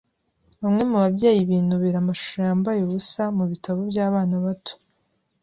Bamwe mu babyeyi binubira amashusho yambaye ubusa mu bitabo by'abana babo.